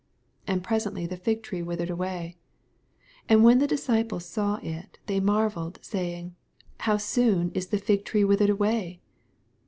And presently the fig tree withered away. 20 And when the disciples saw Uj they marvelled, saying. How soon is the fig tree withered away